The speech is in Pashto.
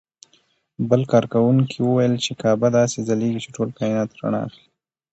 بل کاروونکي وویل چې کعبه داسې ځلېږي چې ټول کاینات رڼا اخلي.